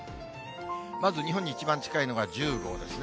まず日本に一番近いのが１０号ですね。